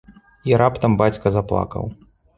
І раптам бацька заплакаў.